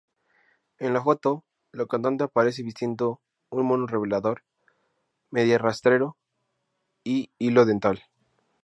En la foto, la cantante aparece vistiendo un mono revelador, media-arrastrero y hilo dental.